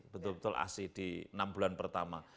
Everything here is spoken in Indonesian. betul betul asi di enam bulan pertama